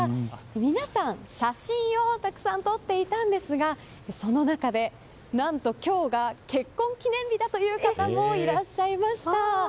皆さん、写真をたくさん撮っていたんですがその中で何と今日が結婚記念日だという方もいらっしゃいました。